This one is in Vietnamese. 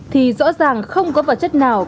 thì rõ ràng không có vật chất nào